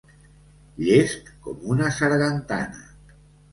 Llest com una sargantana.